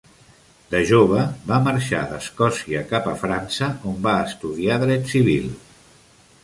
De jove, va marxar d'Escòcia cap a França, on va estudiar dret civil.